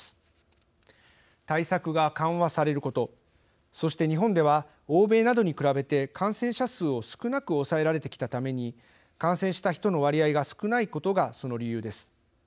対策が緩和されることそして日本では欧米などに比べて感染者数を少なく抑えられてきたために感染した人の割合が少ないことがその理由です。